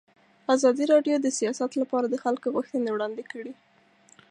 ازادي راډیو د سیاست لپاره د خلکو غوښتنې وړاندې کړي.